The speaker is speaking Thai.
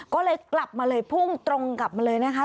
ก็เลยกลับมาเลยพุ่งตรงกลับมาเลยนะคะ